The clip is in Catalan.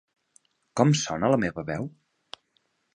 Com sona la meva veu?